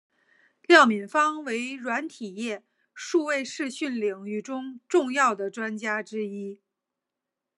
廖敏芳为软体业数位视讯领域中重要的专家之一。